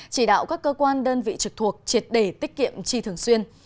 chỉ đạo các cơ quan đơn vị trực thuộc triệt đề tích kiệm chi thường xuyên